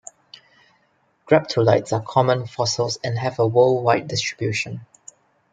Graptolites are common fossils and have a worldwide distribution.